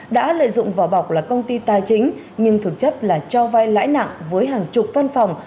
đã lợi dụng vỏ bọc là công ty tài chính nhưng thực chất là cho vai lãi nặng với hàng chục văn phòng